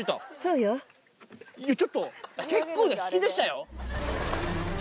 いや、ちょっと結構な引きでしたよ。